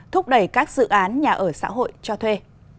thúc đẩy các dự án nhà ở xã hội cho thuê